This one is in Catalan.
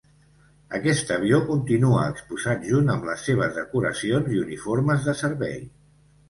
Aquest avió continua exposat junt amb les seves decoracions i uniformes de servei.